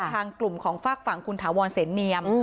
ทางกลุ่มของฝากฝั่งคุณถาวรเสนเนียม